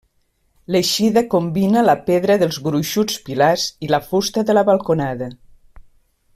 L'eixida combina la pedra dels gruixuts pilars i la fusta de la balconada.